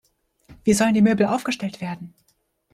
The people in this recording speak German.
Wie sollen die Möbel aufgestellt werden?